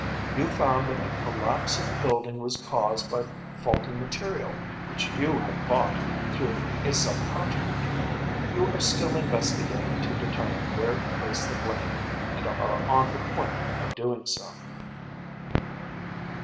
"You found that the collapse of the building was caused by faulty material which you had bought through a subcontractor. You are still investigating to determine where to place the blame, and are on the point of doing so."